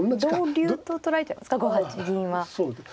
同竜と取られちゃいますか５八銀は。